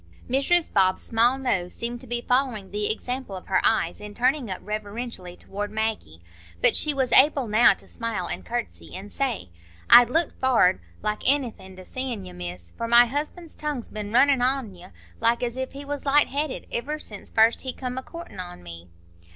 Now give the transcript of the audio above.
Mrs Bob's small nose seemed to be following the example of her eyes in turning up reverentially toward Maggie, but she was able now to smile and curtsey, and say, "I'd looked forrard like aenything to seein' you, Miss, for my husband's tongue's been runnin' on you, like as if he was light headed, iver since first he come a courtin' on me."